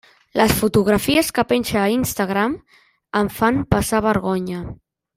Les fotografies que penja a Instagram em fan passar vergonya.